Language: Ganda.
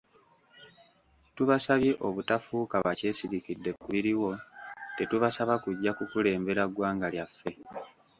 Tubasabye obutafuuka bakyesirikidde ku biriwo, tetubasaba kuggya kukulembera ggwanga lyaffe.